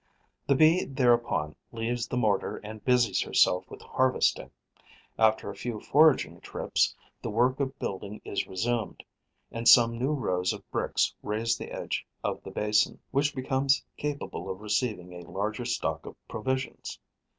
The Bee thereupon leaves the mortar and busies herself with harvesting. After a few foraging trips, the work of building is resumed; and some new rows of bricks raise the edge of the basin, which becomes capable of receiving a larger stock of provisions.